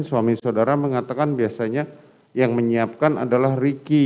suami saudara mengatakan biasanya yang menyiapkan adalah ricky